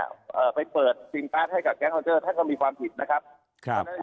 ไปเปิดสิงฟาชให้กับแก๊งคอันเจอร์ถ้าเขามีความผิดนะครับ